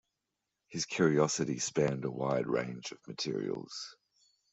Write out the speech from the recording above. His curiosity spanned a wide range of materials.